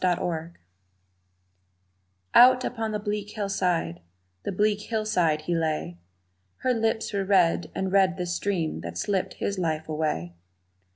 Love Unkind OUT upon the bleak hillside, the bleak hillside, he lay Her lips were red, and red the stream that slipped his life away.